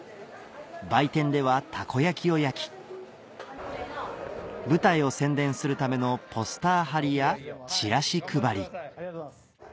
売店ではたこ焼きを焼き舞台を宣伝するためのポスター貼りやチラシ配りありがとうございます。